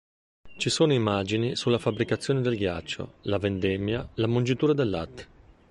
Ci sono immagini sulla fabbricazione del ghiaccio, la vendemmia, la mungitura del latte.